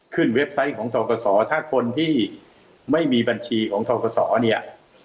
ขึ้นเว็บไซต์ของทรกษอถ้าคนที่ไม่มีบัญชีของทรกษอเนี้ย